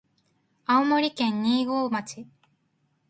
青森県新郷村